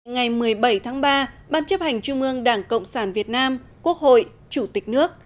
ngày một mươi bảy tháng ba ban chấp hành trung ương đảng cộng sản việt nam quốc hội chủ tịch nước